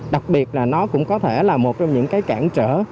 đặc biệt là nó cũng có thể là một trong những cái cản trở